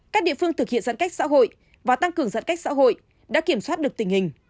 các địa phương thực hiện giãn cách xã hội và tăng cường giãn cách xã hội đã kiểm soát được tình hình